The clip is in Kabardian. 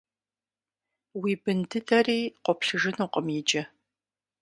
Уи бын дыдэри къоплъыжынукъым иджы.